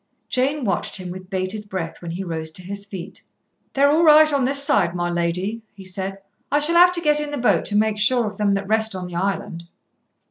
Jane watched him with bated breath when he rose to his feet. "They're all right on this side, my lady," he said. "I shall have to get in the boat to make sure of them that rest on the island."